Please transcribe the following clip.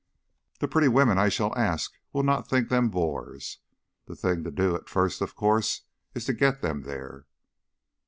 "The pretty women I shall ask will not think them bores. The thing to do at first, of course, is to get them there."